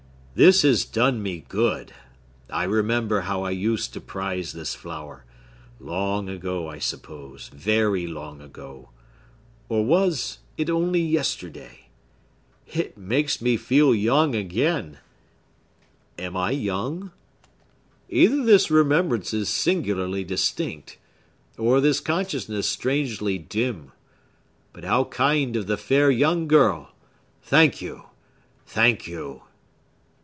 This has done me good. I remember how I used to prize this flower,—long ago, I suppose, very long ago!—or was it only yesterday? It makes me feel young again! Am I young? Either this remembrance is singularly distinct, or this consciousness strangely dim! But how kind of the fair young girl! Thank you! Thank you!"